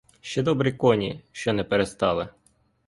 Ще добрі коні, що не пристали.